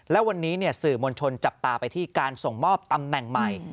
และวันนี้สื่อมวลชนจับตาไปที่การส่งมอบตำแหน่งใหม่